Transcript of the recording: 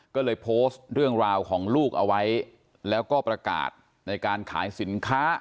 ก็เลยโพสต์เรื่องราวของลูกเอาไว้แล้วก็ประกาศในการขายสินค้า